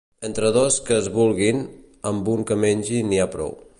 Entre dos que es vulguin, amb un que mengi n'hi ha prou.